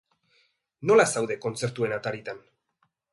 Nola zaude kontzertuen ataritan?